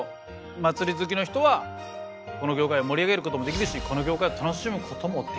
祭り好きの人はこの業界を盛り上げることもできるしこの業界を楽しむこともできる。